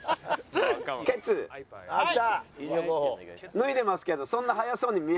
脱いでますけどそんな速そうに見えない。